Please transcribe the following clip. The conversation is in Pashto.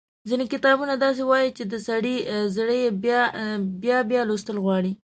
ځينې کتابونه داسې وي چې د سړي زړه يې بيا بيا لوستل غواړي۔